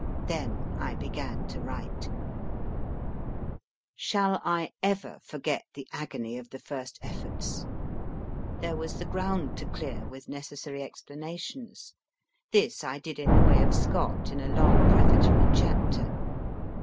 Then I began to write. HALL CAfNE 69 Shall I ever forget the agony of the first efforts ? There was the ground to clear with necessary explanations. This I did in the way of Scott in a long prefatory chapter.